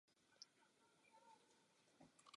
Pro oba celky šlo o první zápas v nově vzniklé Lize národů.